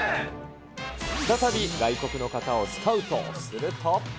再び外国の方をスカウト。